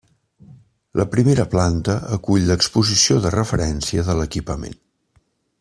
La primera planta acull l’exposició de referència de l’equipament.